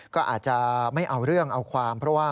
ก็อาจจะไม่เอาเรื่องเอาความเพราะว่า